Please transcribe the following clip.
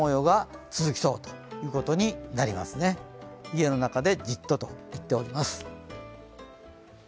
家の中でじっとと、言っております。